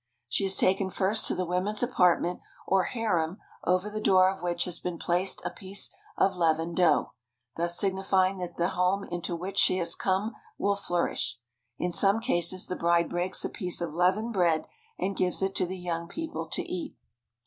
She is taken first to the women's apartment or harem over the door of which has been placed a piece of leavened dough, thus signifying that the home into which she has come will flourish. In some cases the bride breaks a piece of leavened bread and gives it to the young people to eat.